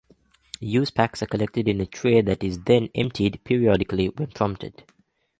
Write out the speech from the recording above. Used packs are collected in a tray that is then emptied periodically when prompted.